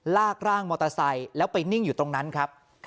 ลากร่างมอเตอร์ไซค์แล้วไปนิ่งอยู่ตรงนั้นครับ